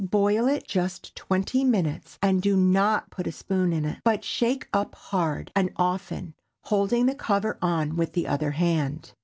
Boil it just twenty minutes, and do not put a spoon in it, but shake up hard and often, holding the cover on with the other hand.